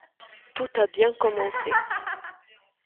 Tout a bien commencé.